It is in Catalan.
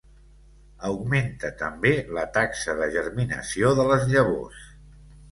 Augmenta també la taxa de germinació de les llavors.